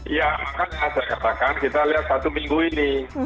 ya makanya saya katakan kita lihat satu minggu ini